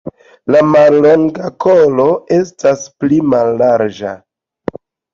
La mallonga kolo estas pli mallarĝa.